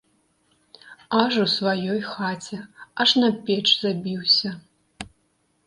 Аж у сваёй хаце, аж на печ забіўся!